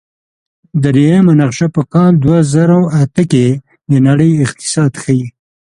دریمه نقشه په کال دوه زره اته کې د نړۍ اقتصاد ښيي.